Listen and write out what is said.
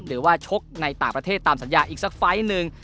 ชกในต่างประเทศตามสัญญาอีกสักไฟล์หนึ่ง